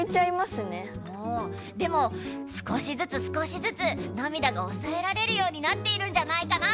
でも少しずつ少しずつなみだがおさえられるようになっているんじゃないかな。